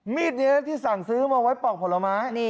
มีดนี้ที่สั่งซื้อมาไว้ปอกผลไม้